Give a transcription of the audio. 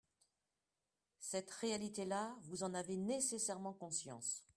Cette réalité-là, vous en avez nécessairement conscience.